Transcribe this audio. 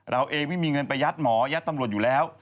เราเองไม่มีเงินไปยัดหมอยัดตำรวจอยู่แล้ว